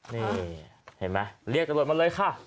นี่เห็นไหมเรียกตำรวจมาเลยค่ะ